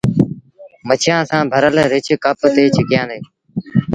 مڇيٚآنٚ سآݩٚ ڀرل رڇ ڪپ تي ڇڪيآندي۔